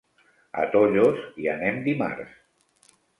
A Tollos hi anem dimarts.